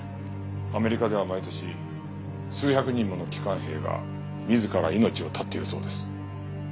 アメリカでは毎年数百人もの帰還兵が自ら命を絶っているそうです。